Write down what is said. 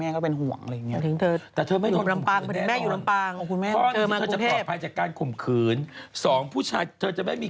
ก็เป็นห่วงอะไรอย่างนี้